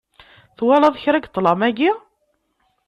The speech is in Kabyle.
Twalaḍ kra deg ṭlam-agi?